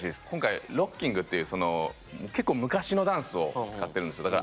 今回「ロッキング」っていう結構昔のダンスを使ってるんですよ。